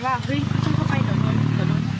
ว่าเฮ้ยต้องเข้าไปเดี๋ยวโดนเดี๋ยวโดน